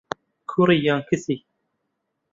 کوڕی یان کچی؟